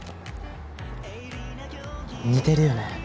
似てるよね